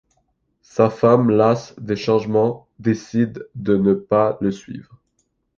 Sa femme, lasse des changements, décide de ne pas le suivre.